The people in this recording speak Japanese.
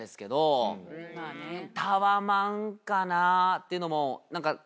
っていうのも。